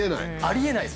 ありえない。